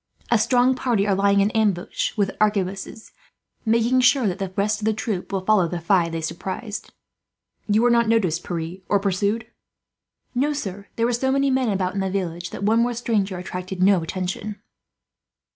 A strong party are lying in ambush with arquebuses, making sure that the rest of the troop will follow the five they surprised." "You were not noticed, Pierre, or pursued?" "No, sir. There were so many men about in the village that one more stranger attracted no attention."